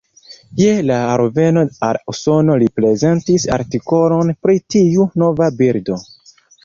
Je la alveno al Usono li prezentis artikolon pri tiu nova birdo.